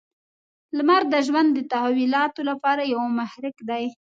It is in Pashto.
• لمر د ژوند د تحولاتو لپاره یو محرک دی.